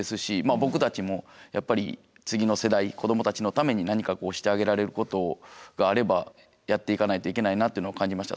僕たちもやっぱり次の世代子どもたちのために何かしてあげられることがあればやっていかないといけないなっていうのを感じました。